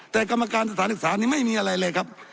แต่กรรมการสถานศึกษานี้ไม่มีอะไรเลยครับ